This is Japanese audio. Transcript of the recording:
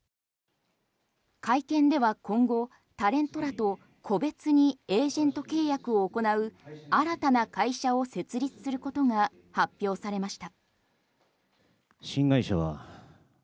会見では今後タレントなどを個別にエージェント契約を行う新たな会社を設立することが発表されました。